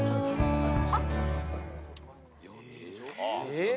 えっ！？